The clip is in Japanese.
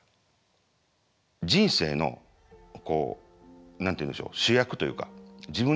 人生のこう何て言うんでしょう主役というか。